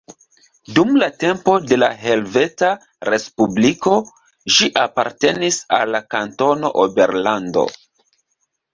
Dum la tempo de la Helveta Respubliko ĝi apartenis al la Kantono Oberlando.